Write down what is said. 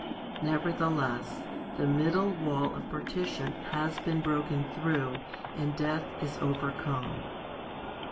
Nevertheless the middle wall of partition has been broken through 1 and death is overcome.